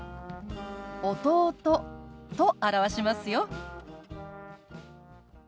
「弟」と表しますよ。